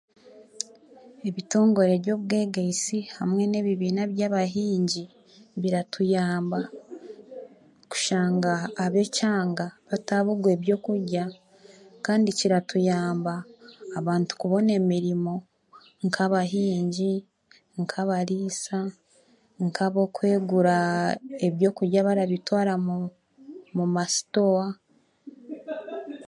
Ebitongore by'obwegyeesi hamwe n'ebibiina by'abahingi biratuyamba kushanga ab'ekyanga bataaburwa eby'okurya kandi kiratuyamba abantu kubona emiriimo nka abahingi, nka abariisa, nka ab'okwegura eby'okurya barabitwaara omu masitooha.